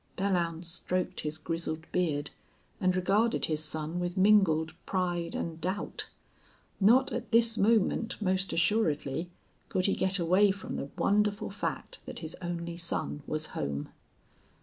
Belllounds stroked his grizzled beard and regarded his son with mingled pride and doubt. Not at this moment, most assuredly, could he get away from the wonderful fact that his only son was home.